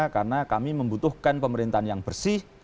karena kami membutuhkan pemerintahan yang bersih